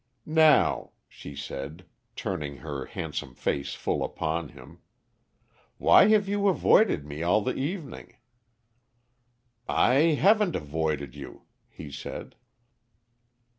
"Now," she said, turning her handsome face full upon him, "why have you avoided me all the evening?" "I haven't avoided you," he said.